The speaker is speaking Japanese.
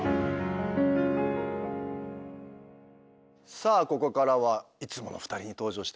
さあここからはいつもの２人に登場してもらいましょう。